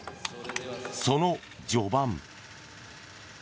その序盤。